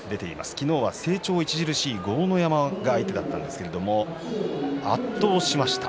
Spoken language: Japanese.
昨日は成長著しい豪ノ山が相手だったんですけれども圧倒しました。